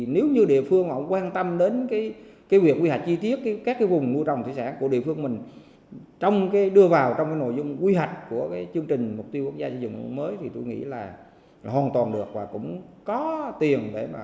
nên việc đầu tư thâm canh còn hạn chế